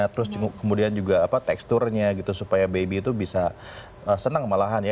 terus kemudian juga apa teksturnya gitu supaya baby itu bisa senang malahan ya